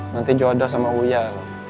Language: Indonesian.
nanti jodoh sama uya loh